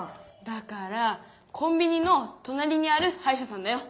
だからコンビニのとなりにあるはいしゃさんだよ。